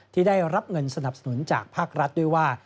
ที่ได้รับเงินสนับสนุนจากภาครัฐด้วยว่า